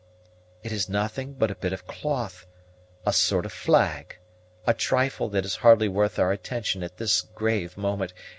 "It is nothing but a bit of cloth a sort of flag a trifle that is hardly worth our attention at this grave moment.